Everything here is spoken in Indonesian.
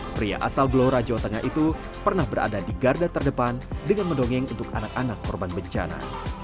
pria asal blora jawa tengah itu pernah berada di garda terdepan dengan mendongeng untuk anak anak korban bencana